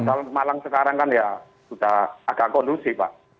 kalau malang sekarang kan ya sudah agak kondusi pak